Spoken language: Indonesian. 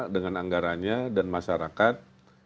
dengan anggaranya dan masyarakat